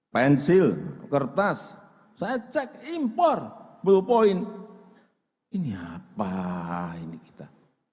pensil kertas saya cek impor sepuluh poin ini apa ini kita